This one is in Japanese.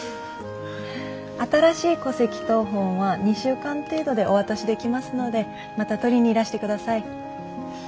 新しい戸籍謄本は２週間程度でお渡しできますのでまた取りにいらしてください。